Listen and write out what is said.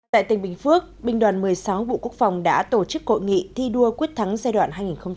tại tỉnh bình phước binh đoàn một mươi sáu bộ quốc phòng đã tổ chức cội nghị thi đua quyết thắng giai đoạn hai nghìn một mươi bốn hai nghìn một mươi chín